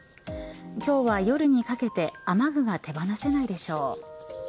今日は夜にかけて雨具が手放せないでしょう。